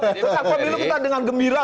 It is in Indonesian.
apabila kita dengan gembira lah